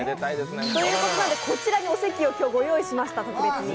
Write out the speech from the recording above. ということなんで、こちらにお席をご用意しました、特別に。